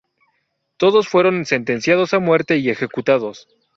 Todos fueron sentenciados a muerte y ejecutados.